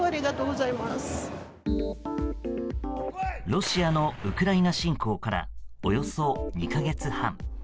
ロシアのウクライナ侵攻からおよそ２か月半。